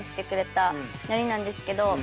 のりなんですけど。